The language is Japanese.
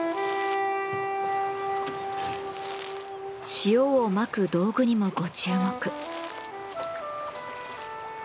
塩をまく道具にもご注目。